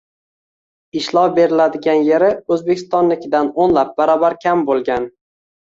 Ishlov beriladigan yeri O‘zbekistonnikidan o‘nlab barobar kam bo‘lgan